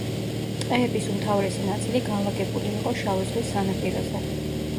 ტყეების უმთავრესი ნაწილი განლაგებული იყო შავი ზღვის სანაპიროზე.